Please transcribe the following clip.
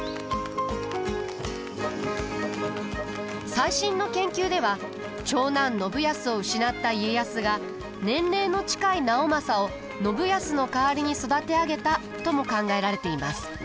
最新の研究では長男信康を失った家康が年齢の近い直政を信康の代わりに育て上げたとも考えられています。